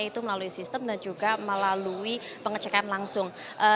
itu melalui sistem dan juga melalui pengecekan langsung